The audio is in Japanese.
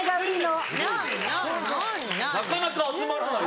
なかなか集まらない。